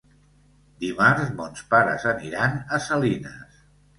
Dimarts mons pares aniran a Salines.